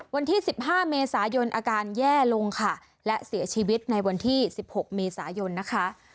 วันที่๑๕เมษายนอาการแย่ลงค่ะและเสียชีวิตในวันที่๑๖เมษายนนะคะ